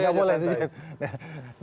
ya perlu saya katakan